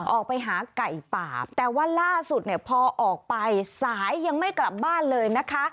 ออกไปหาไก่ป่าแต่ว่าล่าสุดเนี่ยพอออกไปสายยังไม่กลับบ้านเลยนะคะ